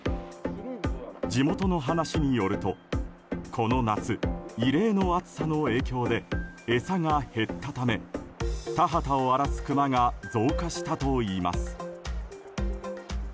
地元の話によるとこの夏、異例の暑さの影響で餌が減ったため田畑を荒らすクマが増加したといいます。